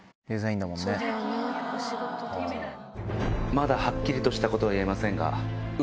まだはっきりとしたことは言えませんが。